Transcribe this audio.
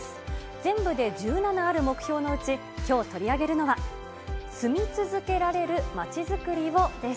全部で１７ある目標のうち、きょう取り上げるのは、住み続けられるまちづくりをです。